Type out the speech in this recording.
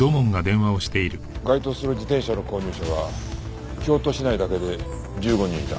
該当する自転車の購入者は京都市内だけで１５人いた。